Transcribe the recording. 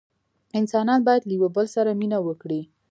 انسانان باید له یوه بل سره مینه وکړي.